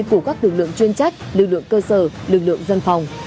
của các lực lượng chuyên trách lực lượng cơ sở lực lượng dân phòng